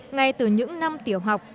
ngay từ những năm tiểu học